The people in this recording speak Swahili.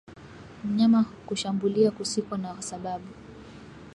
Mnyama kushambulia kusiko na sababu